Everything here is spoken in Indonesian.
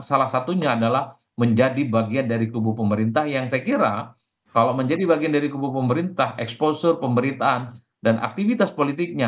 salah satunya adalah menjadi bagian dari kubu pemerintah yang saya kira kalau menjadi bagian dari kubu pemerintah exposure pemberitaan dan aktivitas politiknya